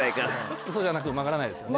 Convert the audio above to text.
ウソじゃなく曲がらないですよね。